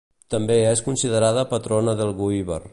També és considerada patrona d'Elgoibar.